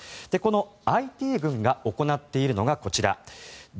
このＩＴ軍が行っているのがこちら。